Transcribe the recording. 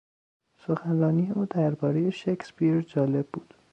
سخنرانی او دربارهی شکسپیر جالب بود.